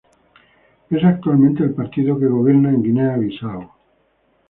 Es actualmente el partido que gobierna en Guinea-Bisáu.